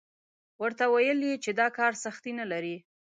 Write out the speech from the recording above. ورته ویل یې چې دا کار سختي نه لري.